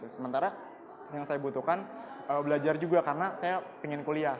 sementara yang saya butuhkan belajar juga karena saya ingin kuliah